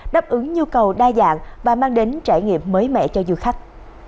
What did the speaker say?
đáp ứng nhu cầu đa dạng và mang đến trải nghiệm mới mẻ cho du khách